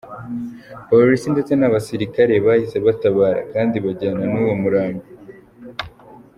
Polisi ndetse n’abasirikari bahise batabara, kandi bajyana n’uwo murambo.